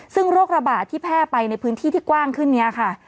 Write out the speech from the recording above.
ซึ่งโรคระบาดที่แพร่ไปในพื้นที่ที่กว้างขึ้นนี้ค่ะ